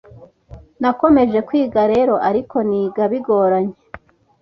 nakomeje kwiga rero ariko niga bigoranye